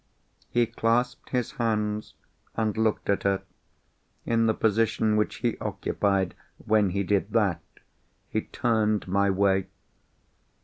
He clasped his hands, and looked at her. In the position which he occupied, when he did that, he turned my way.